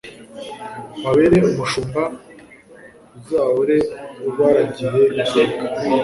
babere umushumba uzahore ubaragiye iteka